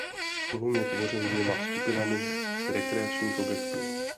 Chlum je tvořen dvěma skupinami rekreačních objektů.